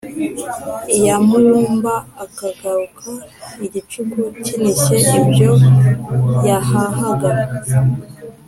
iyamarumba akagaruka igicuku kinishye. Ibyo yahahaga